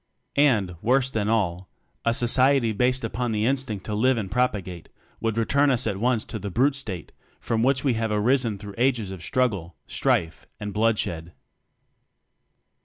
And worse than all a society based upon the In stinct to Live and Propagate, would return us at once to the brute state from which we have arisen through ages of struggle, strife, and bloodshed.